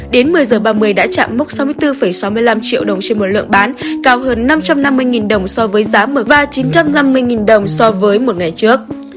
đến một mươi h ba mươi đã chạm mốc sáu mươi bốn sáu mươi năm triệu đồng trên một lượng bán cao hơn năm trăm năm mươi đồng so với giá mở va chín trăm năm mươi đồng so với một ngày trước